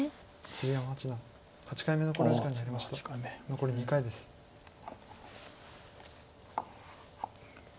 残り２回です。